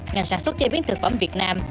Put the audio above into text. ngành sản xuất chế biến thực phẩm việt nam